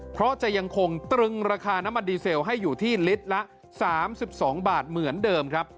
เพราะจะยังคงตรึงราคาน้ำมันดีเซลให้อยู่ที่ลิตรละ๓๒บาทเหมือนเดิมครับ